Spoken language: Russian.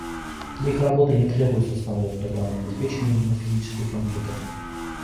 Для их работы не требуется устанавливать программное обеспечение на физический компьютер.